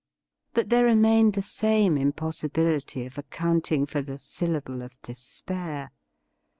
But there remained the same impossibility of accounting for the syllable of despair.